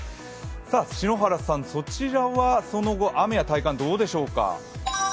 篠原さん、そちらはその後、雨や体感いかがでしょうか。